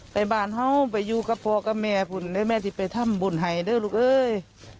ไปบ้านเฮ้าไปอยู่กับพ่อกับแม่แม่ที่ไปถ้ำบนไห่ด้วยลูกเอ้ย